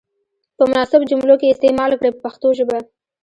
په مناسبو جملو کې یې استعمال کړئ په پښتو ژبه.